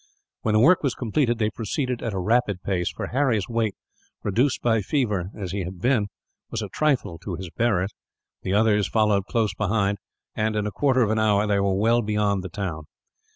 When the work was completed, they proceeded at a rapid pace; for Harry's weight, reduced by fever as he had been, was a trifle to his bearers. The others followed close behind and, in a quarter of an hour, they were well beyond the town.